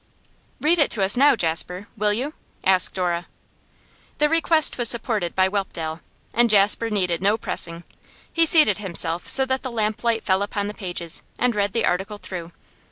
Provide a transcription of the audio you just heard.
'Read it to us now, Jasper, will you?' asked Dora. The request was supported by Whelpdale, and Jasper needed no pressing. He seated himself so that the lamplight fell upon the pages, and read the article through.